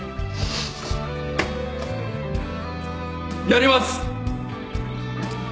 やります！